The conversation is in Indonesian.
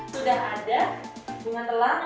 sudah ada bunga telang